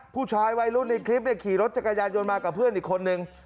ผู้ชายวัยรุ่นในคลิปขี่รถจักรยานยนต์มากับเพื่อนอีกคนนึง